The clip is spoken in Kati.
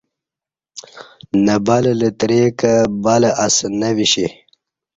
نہ بلہ لتری کہ بلہ اسہ نہ وشی